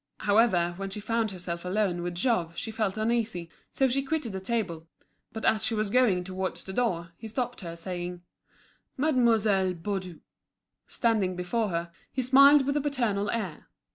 However, when she found herself alone with Jouve she felt uneasy, so she quitted the table; but as she was going towards the door he stopped her saying: "Mademoiselle Baudu—" Standing before her, he smiled with a paternal air.